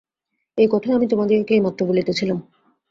এ-কথাই আমি তোমাদিগকে এইমাত্র বলিতেছিলাম।